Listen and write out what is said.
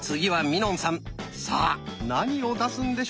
さあ何を出すんでしょうか？